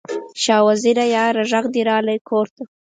شاه وزیره یاره، ږغ دې راغلی کور ته